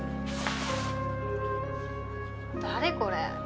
誰これ？